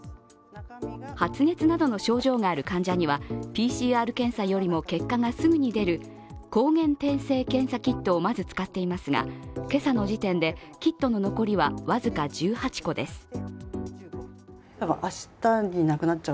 発熱などの症状がある患者には、ＰＣＲ検査よりも結果がすぐに出る抗原定性検査キットをまず使っていますが今朝の時点でキットの残りは僅か１８個です。